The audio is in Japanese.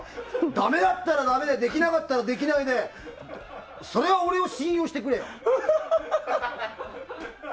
だめだったらだめでできなかったらできないでそれは俺を信用してくれよ。